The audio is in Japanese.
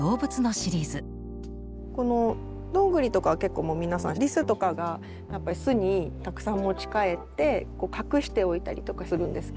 このどんぐりとかは結構もう皆さんリスとかが巣にたくさん持ち帰って隠しておいたりとかするんですけど。